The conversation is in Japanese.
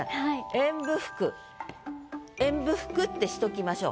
「演武服」「演武服」ってしときましょう。